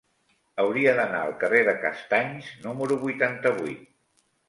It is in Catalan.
Hauria d'anar al carrer de Castanys número vuitanta-vuit.